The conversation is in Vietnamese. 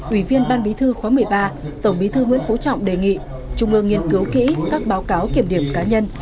ủy viên ban bí thư khóa một mươi ba tổng bí thư nguyễn phú trọng đề nghị trung ương nghiên cứu kỹ các báo cáo kiểm điểm cá nhân